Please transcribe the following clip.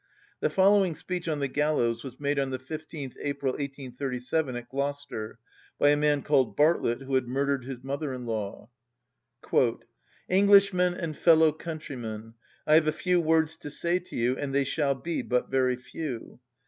The following speech on the gallows was made on the 15th April, 1837, at Gloucester, by a man called Bartlett, who had murdered his mother‐in‐law: "Englishmen and fellow countrymen,—I have a few words to say to you, and they shall be but very few.